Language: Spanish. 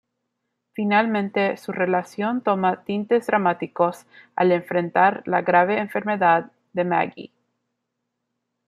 Finalmente su relación toma tintes dramáticos al enfrentar la grave enfermedad de Maggie.